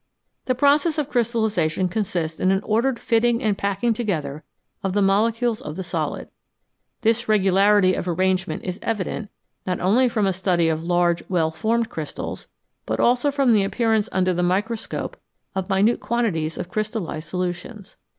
The process of crystallisation consists in an ordered fitting and packing together of the molecules of the solid. This regularity of arrangement is evident not only from a study of large, well formed crystals, but also from the appearance under the microscope of minute quantities of crystallised solutions.